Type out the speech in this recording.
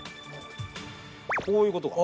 こういうことか。